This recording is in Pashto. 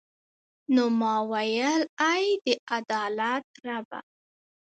نو ما ویل ای د عدالت ربه.